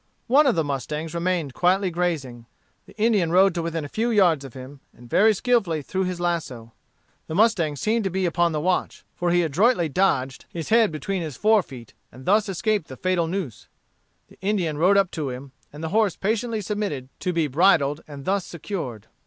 One of the mustangs remained quietly grazing. The Indian rode to within a few yards of him, and very skilfully threw his lasso. The mustang seemed to be upon the watch, for he adroitly dodged his head between his forefeet and thus escaped the fatal noose. The Indian rode up to him, and the horse patiently submitted to be bridled and thus secured.